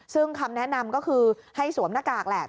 ซึ่งคำแนะนำก็คือให้สวมหน้ากากแหละ